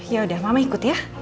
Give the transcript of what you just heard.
yaudah mama ikut ya